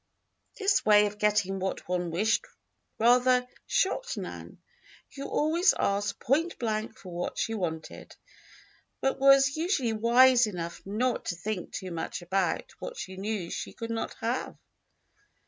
This way of getting what one wished rather shocked Nan, who always asked pointblank for what she wanted, but was usually wise enough not to think too much about what she knew she could not have.